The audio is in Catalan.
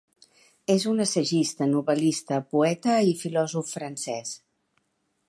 És un assagista, novel·lista, poeta i filòsof francès.